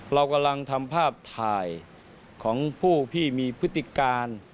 เรากำลังทำภาพถ่ายของผู้ที่มีพฤติการ